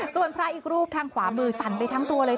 ส่วนพระอีกรูปทางขวามือสั่นไปทั้งตัวเลย